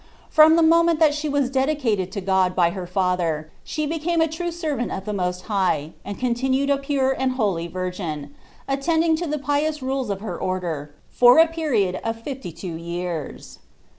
From the moment that she was dedicated to God by her fiither, she became a true servant of the Most High, and conlinueil a pure and holy virgin, attending to the pious rules of her order, for > period of fifty iwo years."